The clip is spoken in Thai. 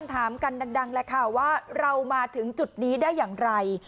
ถามกันดังแหละค่ะว่าเรามาถึงจุดนี้ได้อย่างไร